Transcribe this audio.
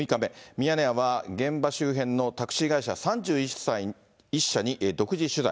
ミヤネ屋は現場周辺のタクシー会社３１社に独自取材。